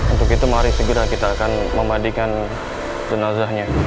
untuk itu mari segera kita akan memadikan jenazahnya